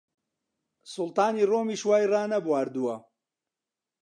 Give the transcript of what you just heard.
سوڵتانی ڕۆمیش وای ڕانەبواردووە!